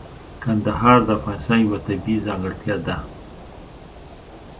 کندهار د افغانستان یوه طبیعي ځانګړتیا ده.